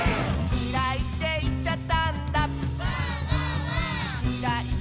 「きらいっていっちゃったんだ」